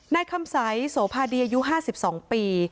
ในคำสัยสโอภาดียู๕๒ปี